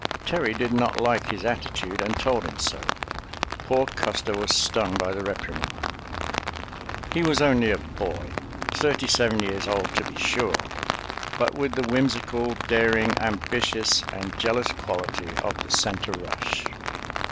Terry did not like his attitude and told him so. Poor Custer was stung by the reprimand. He was only a boy, thirty seven years old, to be sure, but with the whimsical, daring, ambitious and jealous quality of the center rush.